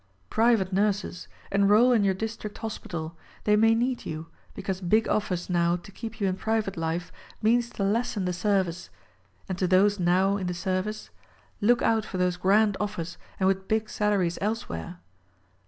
Private nurses: Enroll in your district hospital. They may need you ; because big offers now to keep you in private life means to lessen the service ; and to those now in the service : Lookout for those grand offers and with big salaries elsewhere?